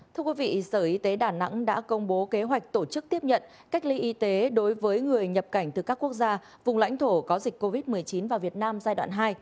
thưa quý vị sở y tế đà nẵng đã công bố kế hoạch tổ chức tiếp nhận cách ly y tế đối với người nhập cảnh từ các quốc gia vùng lãnh thổ có dịch covid một mươi chín vào việt nam giai đoạn hai